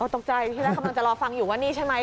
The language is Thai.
ตกใจที่แรกกำลังจะรอฟังอยู่ว่านี่ใช่ไหม